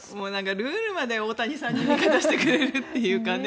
ルールまで大谷さんに味方してくれるというかね。